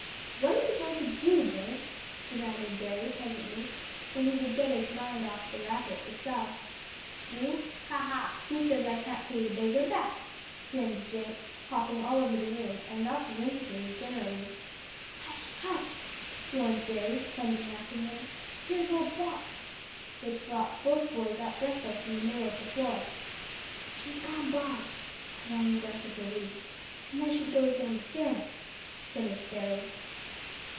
"What are you going to do, Jenk?" demanded Berry, presently, when he could get his mind off from the racket itself. "Do? Ha, ha! Who says I can't pay the beggar back?" grinned Jenk, hopping all over the room, and knocking into things generally. "Hush hush," warned Berry, plunging after him; "here's old Fox," which brought both boys up breathless in the middle of the floor. "She's gone by" a long breath of relief; "and there she goes down the stairs," finished Berry.